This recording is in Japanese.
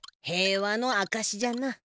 平和のあかしじゃな。